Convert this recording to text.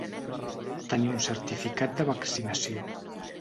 Tenir un certificat de vaccinació.